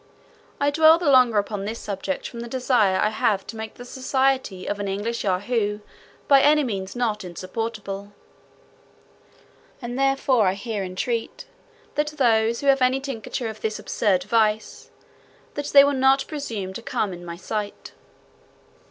I dwell the longer upon this subject from the desire I have to make the society of an English Yahoo by any means not insupportable; and therefore I here entreat those who have any tincture of this absurd vice, that they will not presume to come in my sight.